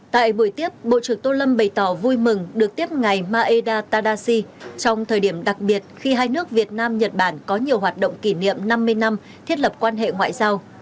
tại buổi tiếp bộ trưởng tô lâm bày tỏ vui mừng được tiếp ngày maeda tadashi trong thời điểm đặc biệt khi hai nước việt nam nhật bản có nhiều hoạt động kỷ niệm năm mươi năm thiết lập quan hệ ngoại giao